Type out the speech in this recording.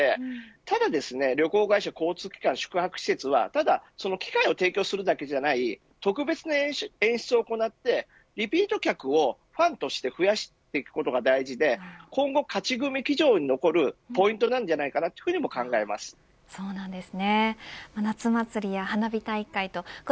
ただ旅行会社、交通機関宿泊施設は機会を提供するだけではない特別な演出を行ってリピート客を半年て増やしていくことが大事で今後勝ち組企業に戻るポイントなのではないかと思います。